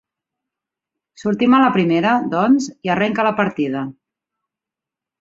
Sortim a la primera, doncs, i arrenca la partida.